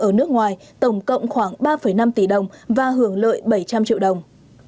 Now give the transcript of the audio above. ở nước ngoài tổng cộng khoảng ba năm tỷ đồng và hưởng lợi bảy trăm linh triệu đồng